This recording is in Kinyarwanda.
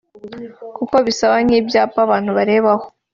kuko bisaba nk’ibyapa abantu bareberaho